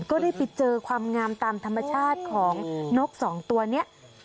ก็ได้ไปเจอความงามตามธรรมชาติของนกสองตัวนี้